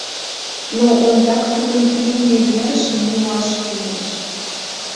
Но ондак тудын илыме вержым муаш кӱлеш